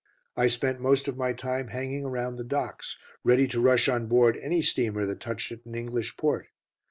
I spent most of my time hanging around the docks, ready to rush on board any steamer that touched at an English port.